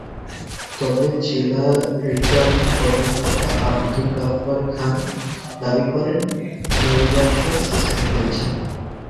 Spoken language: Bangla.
তবে জেলা রিটার্নিং কর্মকর্তা আবদুল গাফফার খান দাবি করেন, নির্বাচন সুষ্ঠু হয়েছে।